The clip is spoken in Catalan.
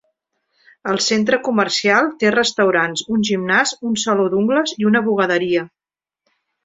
El centre comercial té restaurants, un gimnàs, un saló d'ungles i una bugaderia.